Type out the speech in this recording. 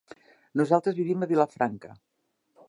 Nosaltres vivim a Vilafranca.